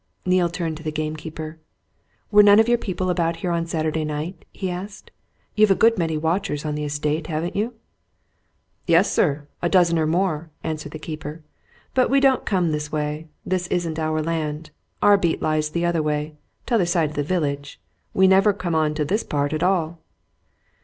Neale turned to the keeper. "Were none of your people about here on Saturday night?" he asked. "You've a good many watchers on the estate, haven't you?" "Yes, sir a dozen or more," answered the keeper. "But we don't come this way this isn't our land. Our beats lie the other way t'other side of the village. We never come on to this part at all."